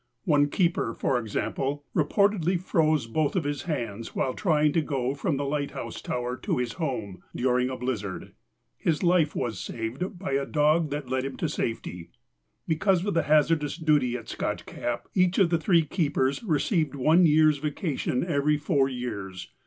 One keeper, for example, reportedly froze both of his hands while trying to go from the lighthouse tower to his home during a blizzard; his life was saved by a dog that led him to safety. (CD A May 9,1911:3) Because of the hazardous duty at Scotch Cap, each of the three keepers received one year's vacation every four years.